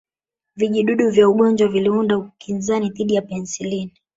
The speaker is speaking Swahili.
Vijidudu vya ugonjwa viliunda ukinzani dhidi ya penicillin